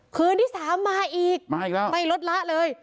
คืนที่สามมาอีกมาอีกแล้วไม่ลดละเลย